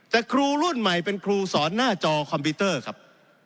แต่ครูรุ่นใหม่เป็นครูสอนหน้าจอคอมพิวเตอร์ครับ